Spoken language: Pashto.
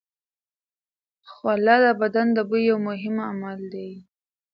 خوله د بدن د بوی یو مهم عامل دی.